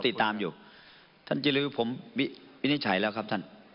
ติดตามอยู่ท่านจิลือผมวินิจฉัยแล้วครับท่าน